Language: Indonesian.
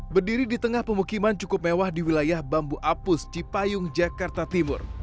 berdiri di tengah pemukiman cukup mewah di wilayah bambu apus cipayung jakarta timur